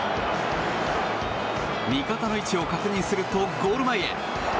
味方の位置を確認するとゴール前へ。